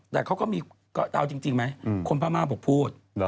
แต่เขาก็มีเอาจริงไหมคนพม่าบอกพูด